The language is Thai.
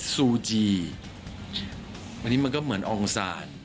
ซูจีอันนี้มันก็เหมือนองศาล